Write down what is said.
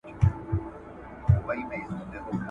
که يو له بل سره محبت وکړئ، نو د صميميت ژوند به ولرئ